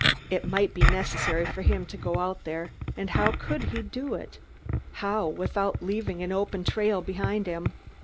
It might be necessary for him to go out there, and how could he do it? How, without leaving an open trail behind him?